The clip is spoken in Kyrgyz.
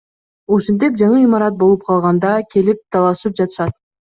Ушинтип жаңы имарат болуп калганда келип талашып жатышат.